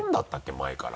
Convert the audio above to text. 前から。